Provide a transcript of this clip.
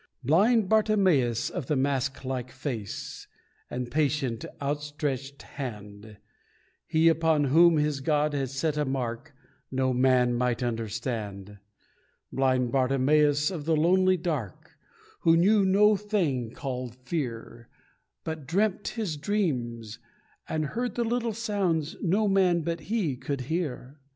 Blind Bartimeus of the mask like face, And patient, outstretched hand He upon whom his God had set a mark No man might understand; Blind Bartimeus of the lonely dark, Who knew no thing called fear, But dreamt his dreams, and heard the little sounds No man but he could hear.